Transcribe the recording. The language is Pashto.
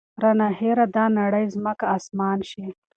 رانه هېره دا نړۍ ځمکه اسمان شي